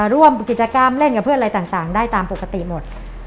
ร่วมกิจกรรมเล่นกับเพื่อนอะไรต่างได้ตามปกติหมด